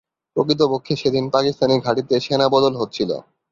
প্রকৃতপক্ষে সেদিন পাকিস্তানি ঘাঁটিতে সেনা বদল হচ্ছিল।